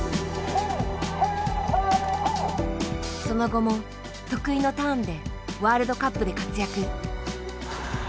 その後も得意のターンでワールドカップで活躍。